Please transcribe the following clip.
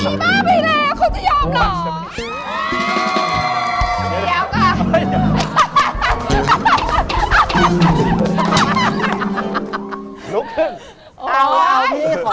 เยี่ยมมากอีกแล้วคุณจะยอมหรอ